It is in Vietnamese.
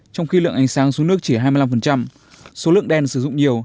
trong khi lượng ánh sáng xuống nước chỉ hai mươi năm số lượng đèn sử dụng nhiều